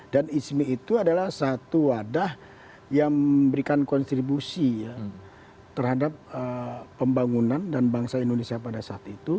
dan izmi itu adalah satu wadah yang memberikan kontribusi ya terhadap pembangunan dan bangsa indonesia pada saat itu